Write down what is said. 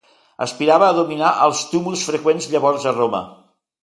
Aspirava a dominar els tumults freqüents llavors a Roma.